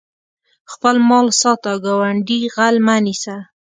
خپل مال ساته ګاونډي غل مه نیسه